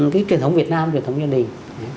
cái truyền thống việt nam truyền thống gia đình